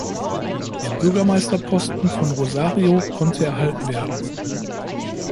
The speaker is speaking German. Der Bürgermeisterposten von Rosario konnte erhalten werden.